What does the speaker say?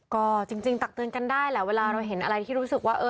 ก็จริงตักเตือนกันได้แหละเวลาเราเห็นอะไรที่รู้สึกว่า